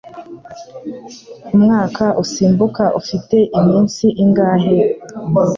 Umwaka usimbuka ufite iminsi ingahe?